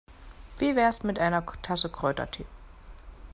Wie wär's mit einer Tasse Kräutertee?